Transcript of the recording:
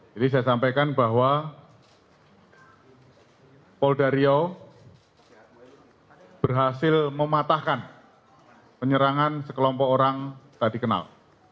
jadi saya sampaikan bahwa poldario berhasil mematahkan penyerangan sekelompok orang tidak dikenal